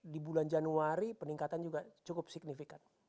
di bulan januari peningkatan juga cukup signifikan